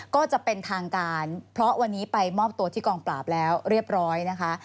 ก็จะเป็นทางการเพราะวันนี้ไปมอบตัวที่กองปราบแล้วเรียบร้อยนะคะ